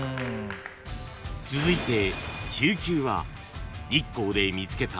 ［続いて］